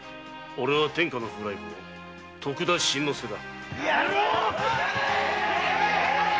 おれは天下の風来坊徳田新之助だ。